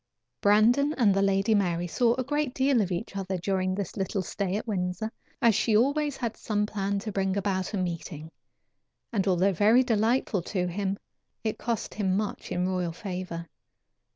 Brandon and the Lady Mary saw a great deal of each other during this little stay at Windsor, as she always had some plan to bring about a meeting, and although very delightful to him, it cost him much in royal favor.